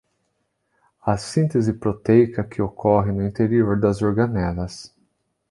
A síntese proteica que ocorre no interior das organelas